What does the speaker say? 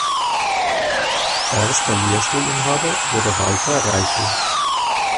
Erster Lehrstuhlinhaber wurde Walter Reichel.